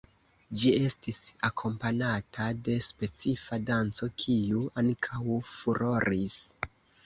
Ĝi estis akompanata de specifa danco, kiu ankaŭ furoris.